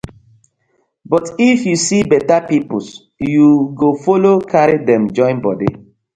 But if yu see beta pipus yu go follo karry dem join bodi.